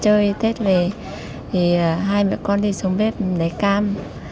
chơi tết về thì hai mẹ con đi xuống bếp lấy cam